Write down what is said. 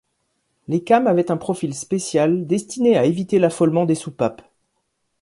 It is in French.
Les cames avaient un profil spécial, destiné à éviter l'affolement des soupapes.